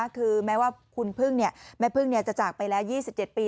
คือแม้ว่าคุณพึ่งแม่พึ่งจะจากไปแล้ว๒๗ปี